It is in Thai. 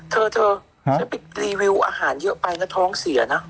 เธอเธอฉันไปรีวิวอาหารเยอะไปนะท้องเสียนะ